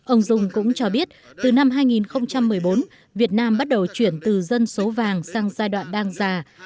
ông dung cũng cho biết từ năm hai nghìn một mươi bốn việt nam bắt đầu chuyển từ dân số vàng sang giai đoạn đang già